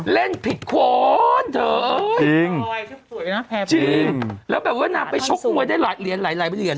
เล่นผิดคนเธอเอ้ยจริงจริงแล้วแบบว่านางไปชกมวยได้หลายเหรียญหลายเหรียญ